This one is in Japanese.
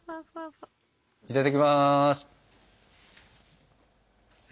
いただきます。